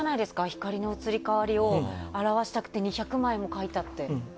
光の移り変わりを描き分けたくて２００点も描いたって。